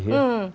bisa kepilih ya